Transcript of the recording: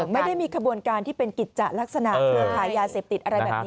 ไม่ได้มีขบวนการที่เป็นกิจจะลักษณะเครือขายยาเสพติดอะไรแบบนี้